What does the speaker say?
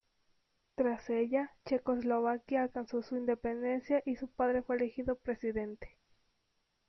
Tras ella, Checoslovaquia alcanzó su independencia y su padre fue elegido presidente.